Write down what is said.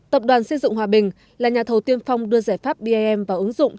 tập đoàn xây dựng hòa bình là nhà thầu tiên phong đưa giải pháp bim vào ứng dụng